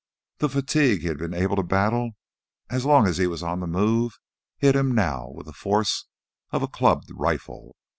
The fatigue he had been able to battle as long as he was on the move, hit him now with the force of a clubbed rifle.